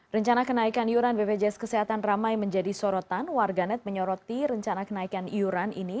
rencana kenaikan yuran bpjs kesehatan ramai menjadi sorotan warga net menyoroti rencana kenaikan yuran ini